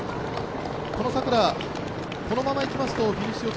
この作田、このままいきますとフィニッシュ予想